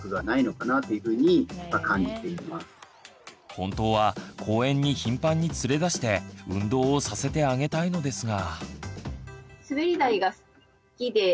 本当は公園に頻繁に連れ出して運動をさせてあげたいのですが。